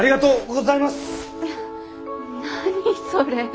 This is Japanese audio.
何それ。